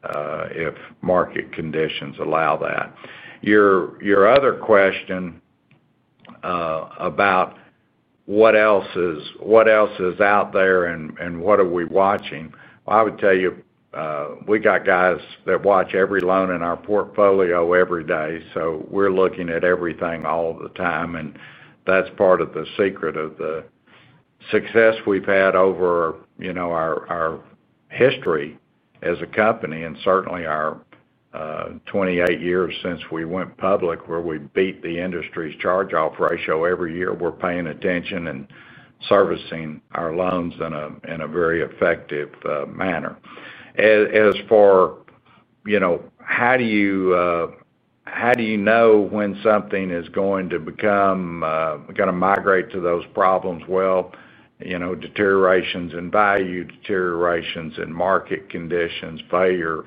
if market conditions allow that. Your other question about what else is out there and what are we watching? I would tell you we got guys that watch every loan in our portfolio every day. We're looking at everything all the time. That's part of the secret of the success we've had over, you know, our history as a company and certainly our 28 years since we went public where we beat the industry's charge-off ratio. Every year, we're paying attention and servicing our loans in a very effective manner. As for, you know, how do you know when something is going to become, going to migrate to those problems? Deteriorations in value, deteriorations in market conditions, failure,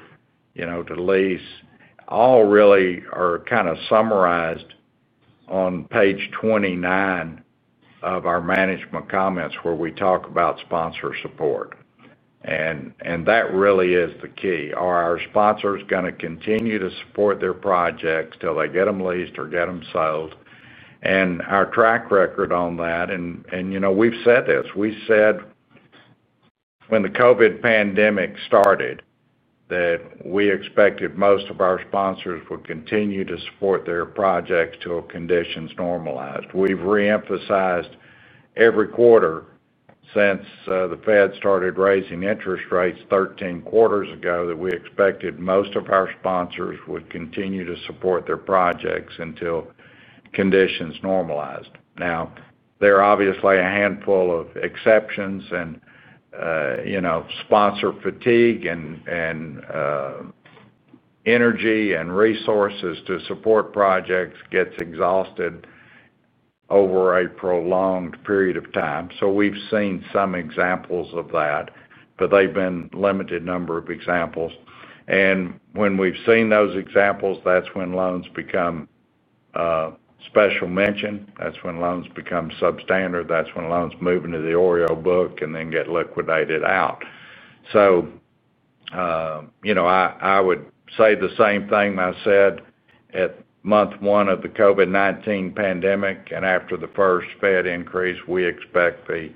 you know, to lease, all really are kind of summarized on page 29 of our management comments where we talk about sponsor support. That really is the key. Are our sponsors going to continue to support their projects till they get them leased or get them sold? Our track record on that, and you know, we've said this. We said when the COVID pandemic started that we expected most of our sponsors would continue to support their projects till conditions normalized. We've reemphasized every quarter since the Fed started raising interest rates 13 quarters ago that we expected most of our sponsors would continue to support their projects until conditions normalized. There are obviously a handful of exceptions, and you know, sponsor fatigue and energy and resources to support projects gets exhausted over a prolonged period of time. We've seen some examples of that, but they've been a limited number of examples. When we've seen those examples, that's when loans become special mention. That's when loans become substandard. That's when loans move into the OREO book and then get liquidated out. I would say the same thing I said at month one of the COVID-19 pandemic and after the first Fed increase. We expect the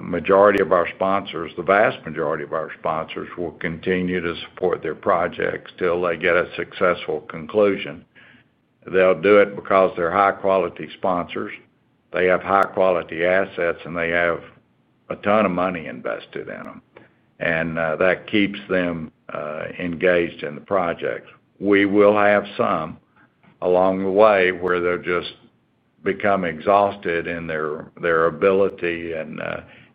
majority of our sponsors, the vast majority of our sponsors, will continue to support their projects till they get a successful conclusion. They'll do it because they're high-quality sponsors. They have high-quality assets, and they have a ton of money invested in them. That keeps them engaged in the projects. We will have some along the way where they'll just become exhausted in their ability and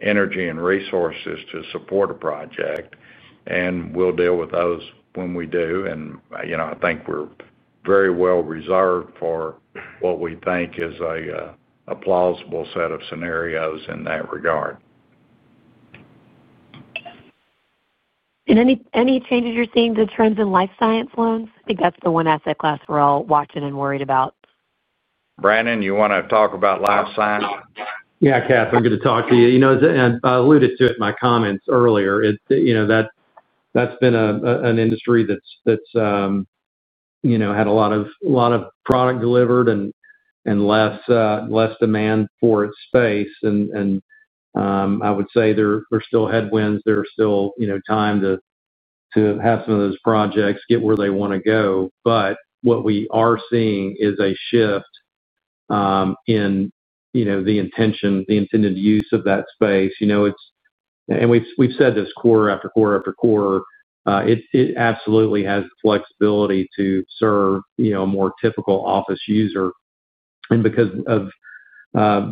energy and resources to support a project. We'll deal with those when we do. I think we're very well reserved for what we think is a plausible set of scenarios in that regard. Are you seeing any changes to trends in life science loans? I think that's the one asset class we're all watching and worried about. Brannon, you want to talk about life science? Yeah, Catherine, good to talk to you. As I alluded to in my comments earlier, that's been an industry that's had a lot of product delivered and less demand for its space. I would say there are still headwinds. There's still time to have some of those projects get where they want to go. What we are seeing is a shift in the intention, the intended use of that space. We've said this quarter after quarter after quarter, it absolutely has the flexibility to serve a more typical office user. Because of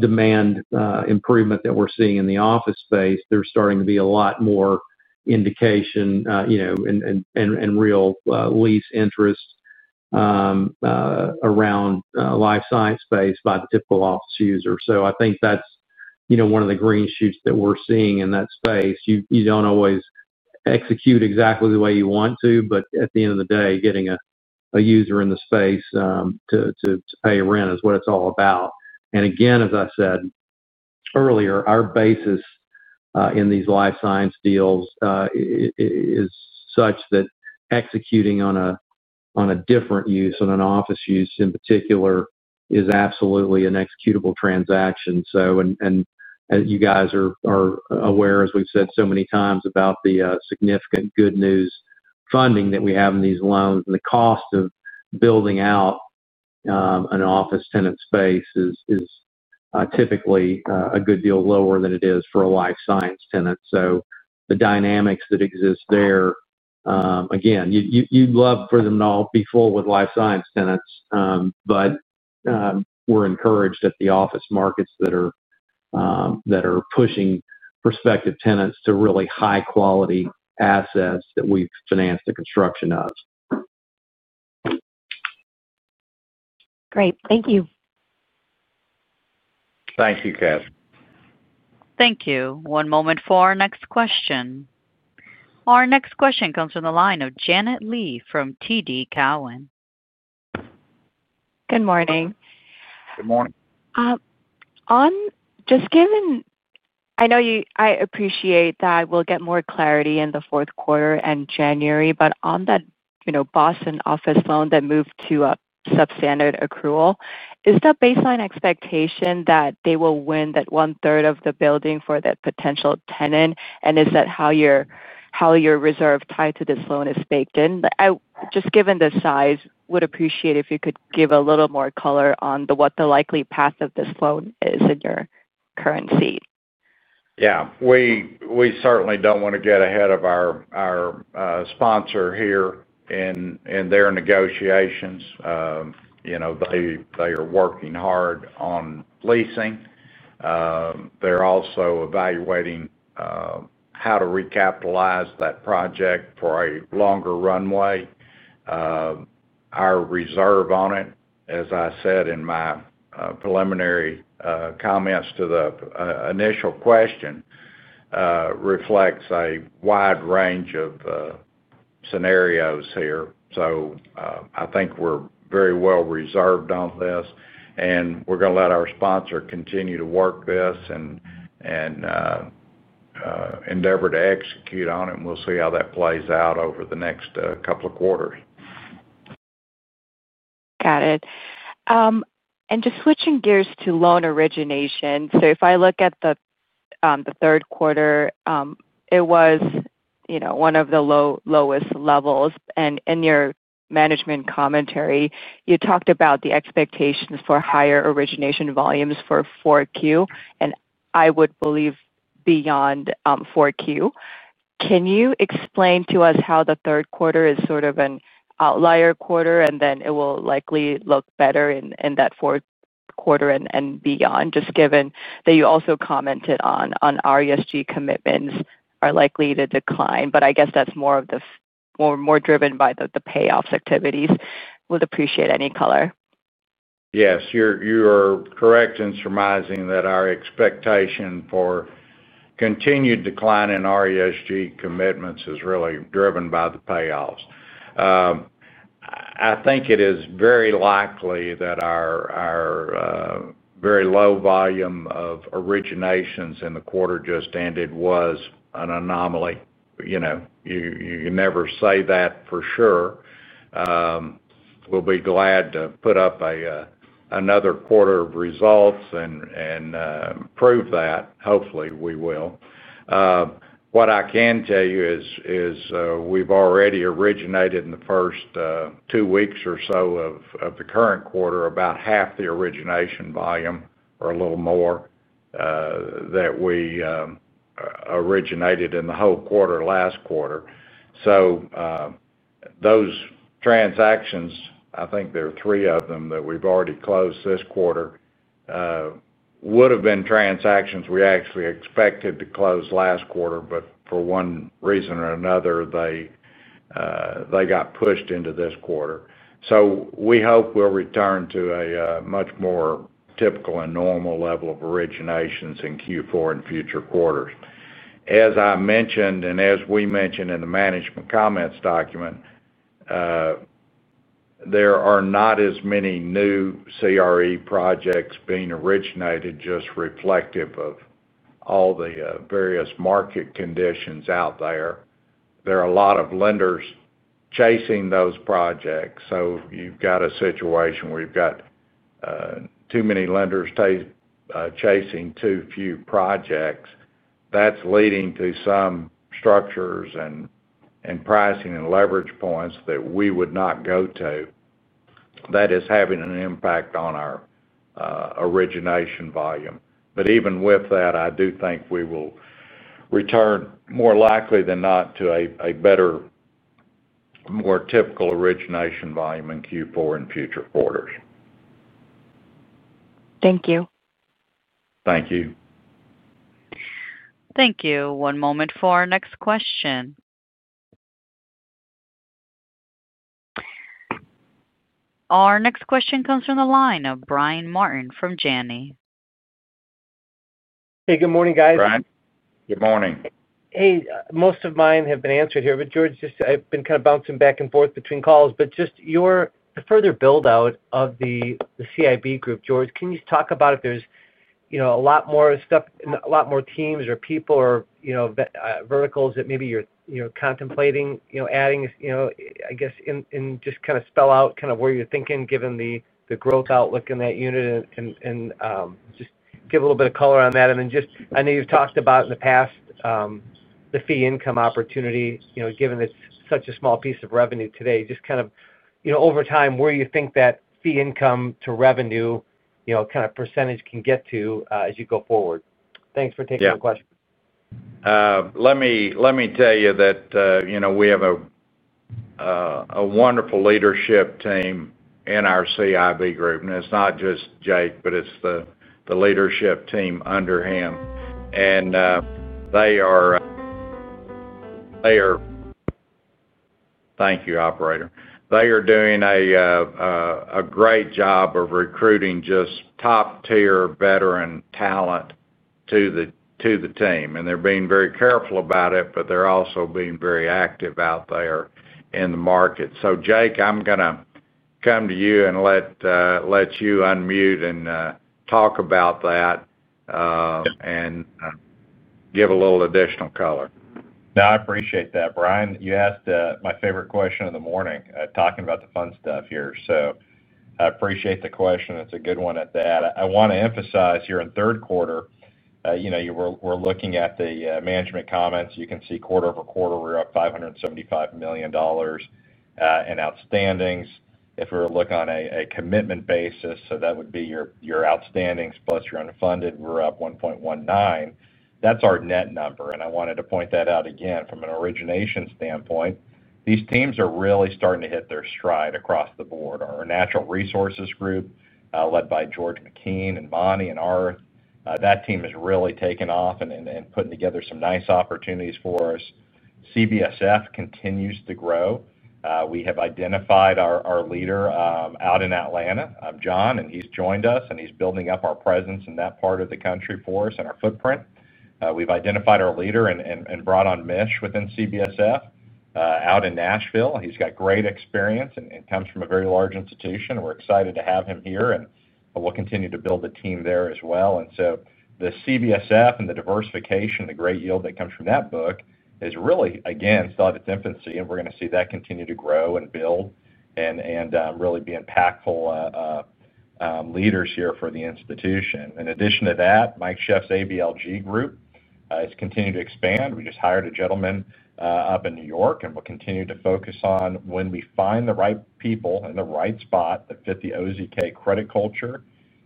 demand improvement that we're seeing in the office space, there's starting to be a lot more indication and real lease interest around life science space by the typical office user. I think that's one of the green shoots that we're seeing in that space. You don't always execute exactly the way you want to, but at the end of the day, getting a user in the space to pay rent is what it's all about. As I said earlier, our basis in these life science deals is such that executing on a different use and an office use in particular is absolutely an executable transaction. You guys are aware, as we've said so many times, about the significant good news funding that we have in these loans. The cost of building out an office tenant space is typically a good deal lower than it is for a life science tenant. The dynamics that exist there, you'd love for them to all be full with life science tenants, but we're encouraged at the office markets that are pushing prospective tenants to really high-quality assets that we've financed the construction of. Great. Thank you. Thank you, Catherine. Thank you. One moment for our next question. Our next question comes from the line of Janet Lee from TD Cowen. Good morning. Good morning. I know you, I appreciate that we'll get more clarity in the fourth quarter and January, but on that, you know, Boston office loan that moved to a substandard accrual, is the baseline expectation that they will win that one-third of the building for that potential tenant? Is that how your reserve tied to this loan is baked in? I just given the size, would appreciate if you could give a little more color on what the likely path of this loan is in your current seat. We certainly don't want to get ahead of our sponsor here in their negotiations. They are working hard on leasing. They're also evaluating how to recapitalize that project for a longer runway. Our reserve on it, as I said in my preliminary comments to the initial question, reflects a wide range of scenarios here. I think we're very well reserved on this, and we're going to let our sponsor continue to work this and endeavor to execute on it. We'll see how that plays out over the next couple of quarters. Got it. Just switching gears to loan origination. If I look at the third quarter, it was, you know, one of the lowest levels. In your management commentary, you talked about the expectations for higher origination volumes for 4Q, and I would believe beyond 4Q. Can you explain to us how the third quarter is sort of an outlier quarter, and that it will likely look better in that fourth quarter and beyond, just given that you also commented on RESG commitments are likely to decline, but I guess that's more driven by the payoffs activities? We'd appreciate any color. Yes, you are correct in surmising that our expectation for continued decline in RESG commitments is really driven by the payoffs. I think it is very likely that our very low volume of originations in the quarter just ended was an anomaly. You know, you can never say that for sure. We'll be glad to put up another quarter of results and prove that. Hopefully, we will. What I can tell you is we've already originated in the first two weeks or so of the current quarter, about half the origination volume or a little more that we originated in the whole quarter last quarter. Those transactions, I think there are three of them that we've already closed this quarter, would have been transactions we actually expected to close last quarter, but for one reason or another, they got pushed into this quarter. We hope we'll return to a much more typical and normal level of originations in Q4 and future quarters. As I mentioned, and as we mentioned in the management comments document, there are not as many new CRE projects being originated, just reflective of all the various market conditions out there. There are a lot of lenders chasing those projects. You've got a situation where you've got too many lenders chasing too few projects. That's leading to some structures and pricing and leverage points that we would not go to. That is having an impact on our origination volume. Even with that, I do think we will return more likely than not to a better, more typical origination volume in Q4 and future quarters. Thank you. Thank you. Thank you. One moment for our next question. Our next question comes from the line of Brian Martin from Janney. Hey, good morning, guys. Hi, Brian. Good morning. Hey, most of mine have been answered here, but George, I've been kind of bouncing back and forth between calls. Just your further build-out of the CIB group, George, can you talk about if there's a lot more stuff and a lot more teams or people or verticals that maybe you're contemplating adding, I guess, and just kind of spell out where you're thinking given the growth outlook in that unit and just give a little bit of color on that. I know you've talked about in the past the fee income opportunity, given it's such a small piece of revenue today, just kind of over time, where do you think that fee income to revenue percentage can get to as you go forward? Thanks for taking the question. Yeah. Let me tell you that, you know, we have a wonderful leadership team in our CIB group. It is not just Jake, but it is the leadership team under him. They are, thank you, operator. They are doing a great job of recruiting just top-tier veteran talent to the team. They are being very careful about it, but they are also being very active out there in the market. Jake, I am going to come to you and let you unmute and talk about that and give a little additional color. No, I appreciate that, Brian. You asked my favorite question of the morning, talking about the fun stuff here. I appreciate the question. It's a good one at that. I want to emphasize here in third quarter, we're looking at the management comments. You can see quarter-over-quarter, we're up $575 million in outstandings. If we were to look on a commitment basis, that would be your outstandings plus your unfunded, we're up $1.19 billion. That's our net number. I wanted to point that out again from an origination standpoint. These teams are really starting to hit their stride across the board. Our natural resources group led by George McKean and Monty and Art, that team has really taken off and is putting together some nice opportunities for us. CBSF continues to grow. We have identified our leader out in Atlanta. I'm John, and he's joined us, and he's building up our presence in that part of the country for us and our footprint. We've identified our leader and brought on Mish within CBSF out in Nashville. He's got great experience and comes from a very large institution. We're excited to have him here, and we'll continue to build a team there as well. The CBSF and the diversification, the great yield that comes from that book is really, again, still at its infancy, and we're going to see that continue to grow and build and really be impactful leaders here for the institution. In addition to that, Mike Scheff's ABLG group has continued to expand. We just hired a gentleman up in New York and will continue to focus on when we find the right people in the right spot that fit the OZK credit culture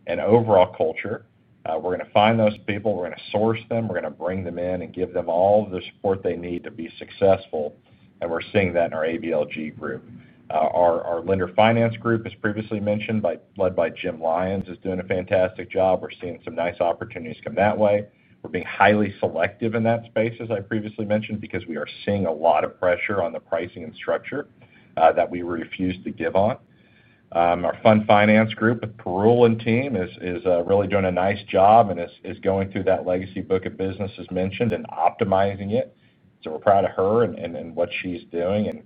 and overall culture. We're going to find those people. We're going to source them. We're going to bring them in and give them all of the support they need to be successful. We're seeing that in our ABLG group. Our lender finance group, as previously mentioned, led by Jim Lyons, is doing a fantastic job. We're seeing some nice opportunities come that way. We're being highly selective in that space, as I previously mentioned, because we are seeing a lot of pressure on the pricing and structure that we refuse to give on. Our fund finance group with Perul and team is really doing a nice job and is going through that legacy book of business as mentioned and optimizing it. We're proud of her and what she's doing.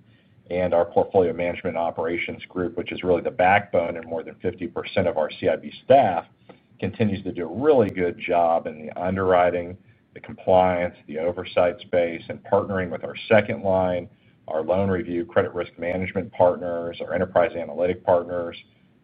Our portfolio management operations group, which is really the backbone and more than 50% of our CIB staff, continues to do a really good job in the underwriting, the compliance, the oversight space, and partnering with our second line, our loan review, credit risk management partners, our enterprise analytic partners,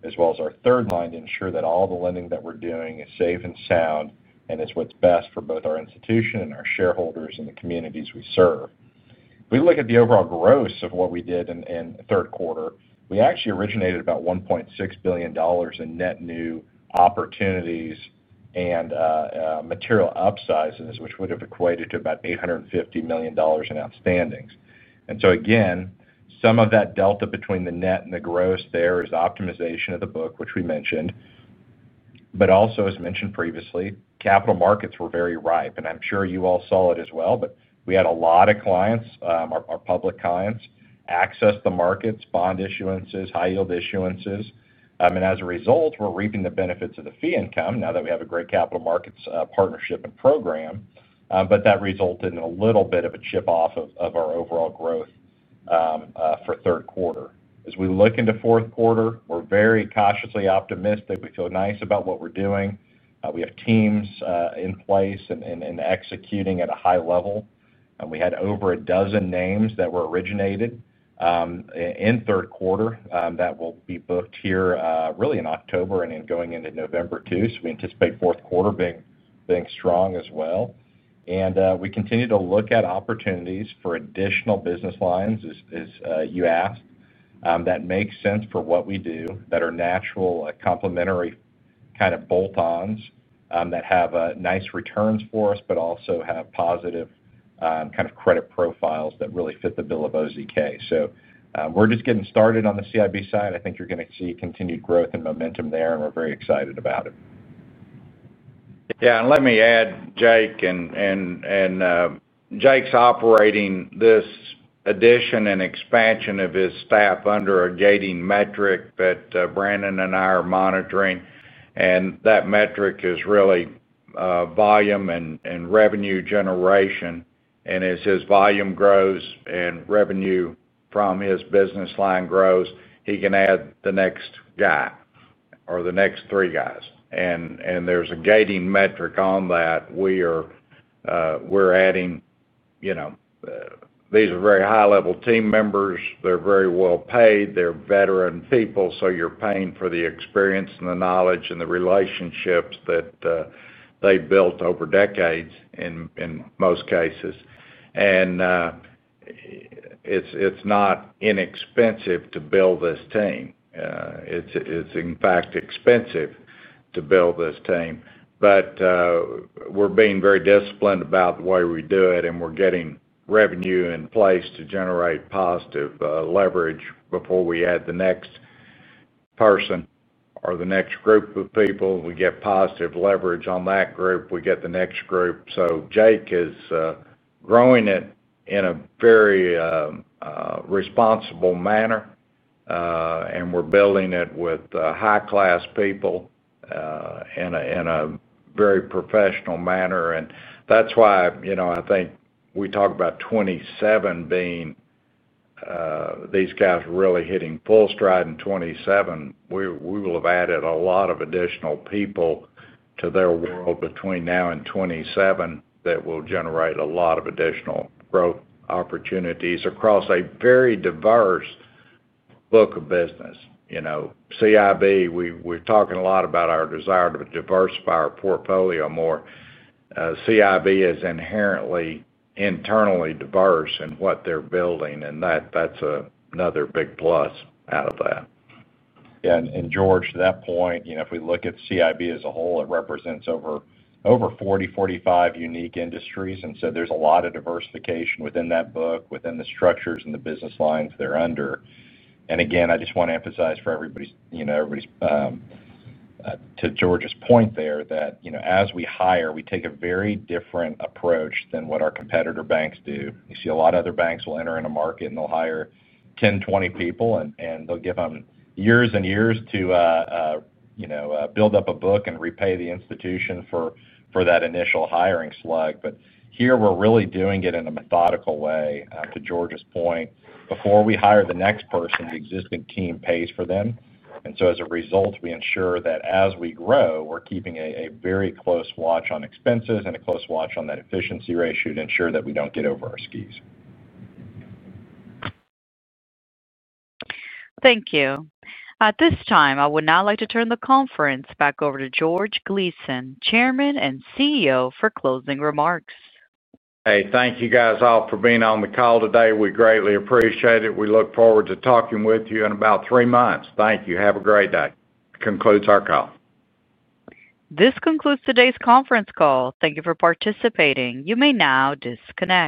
as well as our third line to ensure that all the lending that we're doing is safe and sound and is what's best for both our institution and our shareholders and the communities we serve. If we look at the overall gross of what we did in third quarter, we actually originated about $1.6 billion in net new opportunities and material upsizes, which would have equated to about $850 million in outstandings. Some of that delta between the net and the gross there is optimization of the book, which we mentioned. Also, as mentioned previously, capital markets were very ripe, and I'm sure you all saw it as well, we had a lot of clients, our public clients, access the markets, bond issuances, high yield issuances. As a result, we're reaping the benefits of the fee income now that we have a great capital markets partnership and program. That resulted in a little bit of a chip-off of our overall growth for third quarter. As we look into fourth quarter, we're very cautiously optimistic. We feel nice about what we're doing. We have teams in place and executing at a high level. We had over a dozen names that were originated in third quarter that will be booked here. Really in October and going into November too, we anticipate fourth quarter being strong as well. We continue to look at opportunities for additional business lines, as you asked, that make sense for what we do, that are natural, complementary kind of bolt-ons, that have nice returns for us but also have positive, kind of credit profiles that really fit the bill of Bank OZK. We're just getting started on the CIB side. I think you are going to see continued growth and momentum there, and we're very excited about it. Yeah, let me add, Jake is operating this addition and expansion of his staff under a gating metric that Brannon and I are monitoring. That metric is really volume and revenue generation. As his volume grows and revenue from his business line grows, he can add the next guy or the next three guys. There is a gating metric on that. We are adding, you know, these are very high-level team members. They're very well paid. They're veteran people. You're paying for the experience and the knowledge and the relationships that they've built over decades in most cases. It's not inexpensive to build this team. It's, in fact, expensive to build this team. We're being very disciplined about the way we do it, and we're getting revenue in place to generate positive leverage before we add the next person or the next group of people. We get positive leverage on that group, we get the next group. Jake is growing it in a very responsible manner, and we're building it with high-class people in a very professional manner. That's why I think we talk about 2027 being these guys really hitting full stride in 2027. We will have added a lot of additional people to their world between now and 2027 that will generate a lot of additional growth opportunities across a very diverse book of business. You know, CIB, we're talking a lot about our desire to diversify our portfolio more. CIB is inherently internally diverse in what they're building, and that's another big plus out of that. Yeah, and George, to that point, if we look at CIB as a whole, it represents over 40, 45 unique industries. There is a lot of diversification within that book, within the structures and the business lines they're under. I just want to emphasize for everybody, to George's point there, that as we hire, we take a very different approach than what our competitor banks do. You see, a lot of other banks will enter a market, they'll hire 10, 20 people, and they'll give them years and years to build up a book and repay the institution for that initial hiring slug. Here, we're really doing it in a methodical way. To George's point, before we hire the next person, the existing team pays for them. As a result, we ensure that as we grow, we're keeping a very close watch on expenses and a close watch on that efficiency ratio to ensure that we don't get over our skis. Thank you. At this time, I would now like to turn the conference back over to George Gleason, Chairman and CEO, for closing remarks. Hey, thank you guys all for being on the call today. We greatly appreciate it. We look forward to talking with you in about three months. Thank you. Have a great day. This concludes our call. This concludes today's conference call. Thank you for participating. You may now disconnect.